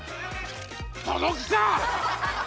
届くか！